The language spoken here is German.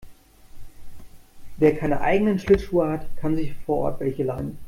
Wer keine eigenen Schlittschuhe hat, kann sich vor Ort welche leihen.